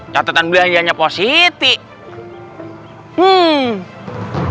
catatan belanjanya positif